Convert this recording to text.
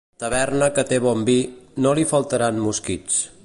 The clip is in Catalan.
Taverna que té bon vi, no li faltaran mosquits.